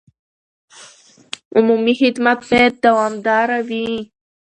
عمومي خدمت باید دوامداره وي.